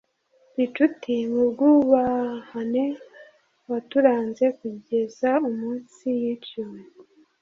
gicuti mu bwubahane waturanze kugeza umunsi yiciwe